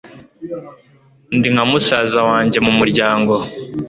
Ndi nka musaza wanjye mu muryango